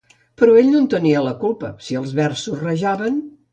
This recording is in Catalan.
Però ell no en tenia la culpa, si els versos rajaven…